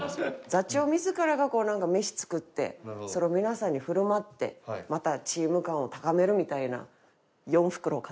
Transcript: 座長自らが飯作ってそれを皆さんに振る舞ってまたチーム感を高めるみたいな。